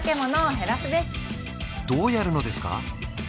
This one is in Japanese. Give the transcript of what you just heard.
どうやるのですか？